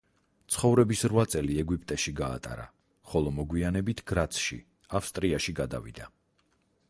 ცხოვრების რვა წელი ეგვიპტეში გაატარა, ხოლო მოგვიანებით, გრაცში, ავსტრიაში გადავიდა.